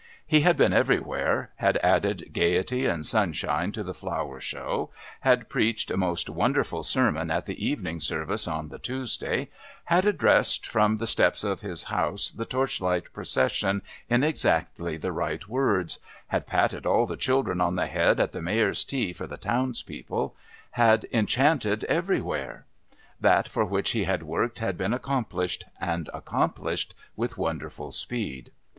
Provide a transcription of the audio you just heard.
He had been everywhere; had added gaiety and sunshine to the Flower Show; had preached a most wonderful sermon at the evening service on the Tuesday; had addressed, from the steps of his house, the Torchlight Procession in exactly the right words; had patted all the children on the head at the Mayor's tea for the townspeople; had enchanted everywhere. That for which he had worked had been accomplished, and accomplished with wonderful speed.